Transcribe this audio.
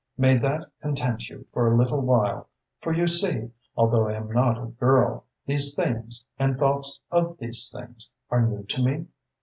May that content you for a little while, for you see, although I am not a girl, these things, and thoughts of these things, are new to me?"